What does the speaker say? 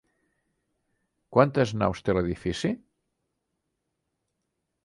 Quantes naus té l'edifici?